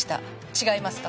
違いますか？